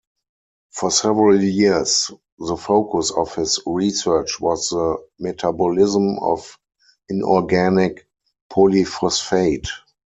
For several years the focus of his research was the metabolism of inorganic polyphosphate.